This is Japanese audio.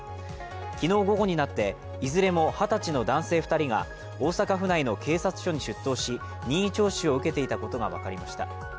昨日午後になって、いずれも二十歳の男性２人が大阪府内の警察署に出頭し任意聴取を受けていたことが分かりました。